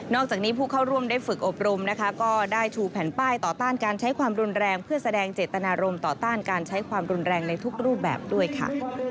อกจากนี้ผู้เข้าร่วมได้ฝึกอบรมนะคะก็ได้ชูแผ่นป้ายต่อต้านการใช้ความรุนแรงเพื่อแสดงเจตนารมณ์ต่อต้านการใช้ความรุนแรงในทุกรูปแบบด้วยค่ะ